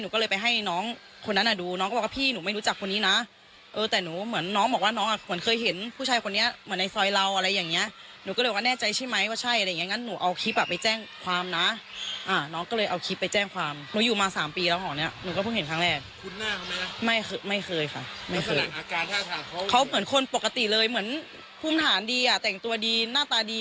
เขาเหมือนคนปกติเลยเหมือนภูมิฐานดีแต่งตัวดีหน้าตาดี